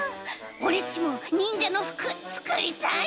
オレっちもにんじゃのふくつくりたい！